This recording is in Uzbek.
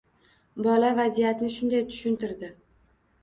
Bola vaziyatni shunday tushuntirgan.